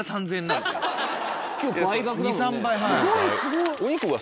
２３倍。